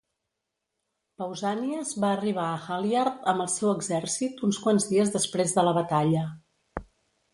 Pausànies va arribar a Haliart amb el seu exèrcit uns quants dies després de la batalla.